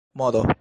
modo